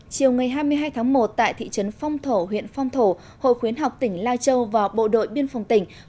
chiều ngày hai mươi hai tháng một tại thị trấn phong thổ huyện phong thổ hội khuyến học tỉnh lai châu và bộ đội biên phòng tỉnh